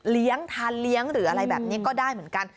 ทานเลี้ยงหรืออะไรแบบนี้ก็ได้เหมือนกัน